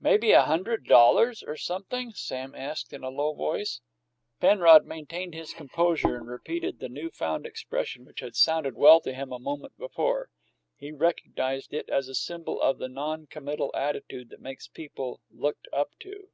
"May be a hundred dollars or sumpthing?" Sam asked in a low voice. Penrod maintained his composure and repeated the new found expression which had sounded well to him a moment before. He recognized it as a symbol of the non committal attitude that makes people looked up to.